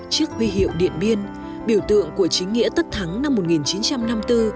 chiếc huy hiệu điện biên biểu tượng của chính nghĩa tất thắng năm một nghìn chín trăm năm mươi bốn